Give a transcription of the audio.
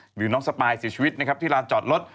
หรือน้องสปายเสียชีวิตนะครับที่ลานจอดรถ